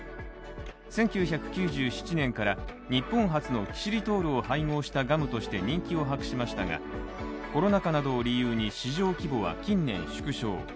１９９７年から日本初のキシリトールを配合したガムとして人気を博しましたが、コロナ禍などを理由に市場規模は近年縮小。